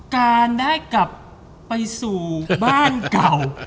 การได้กลับไปสู่บ้านเก่า